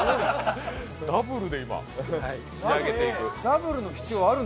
ダブルで仕上げていく。